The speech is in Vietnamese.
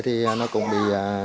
thì nó cũng bị